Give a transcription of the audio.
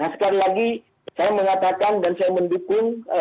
sekali lagi saya mengatakan dan saya mendukung